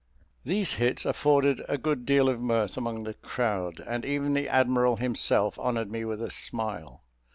These hits afforded a good deal of mirth among the crowd, and even the admiral himself honoured me with a smile.